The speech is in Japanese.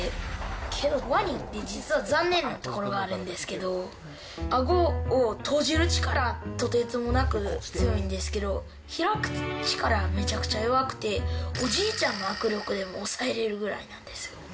けどワニって、実は残念なところがあるんですけど、あごを閉じる力、とてつもなく強いんですけど、開く力はめちゃくちゃ弱くて、おじいちゃんの握力でも抑えれるぐらいなんですよ。